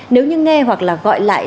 nếu như nghe hoặc là gọi lại